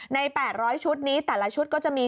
๘๐๐ชุดนี้แต่ละชุดก็จะมี